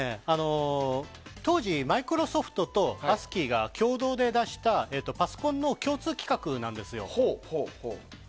当時、マイクロソフトとアスキーが共同で出したパソコンの共通規格なんですよ。